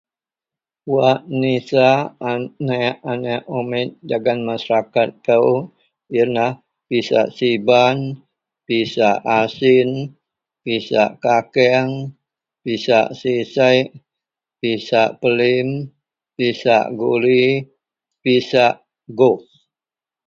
Wak nisak aneak-aneak umik dagen masarakat kou yenlah pisak siban, pisak asin, pisak kakeang, pisak sisek, pisak pelim, pisak guli, pisak gup.